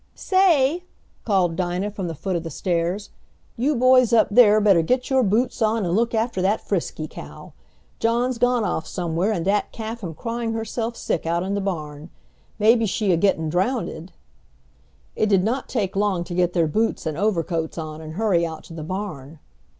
"Say," called Dinah from the foot of the stairs. "You boys up there better get your boots on and look after that Frisky cow. John's gone off somewhere, and dat calf am crying herself sick out in de barn. Maybe she a gettin' drownded." It did not take long to get their boots and overcoats on and hurry out to the barn.